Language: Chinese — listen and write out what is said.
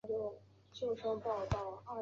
库隆塞。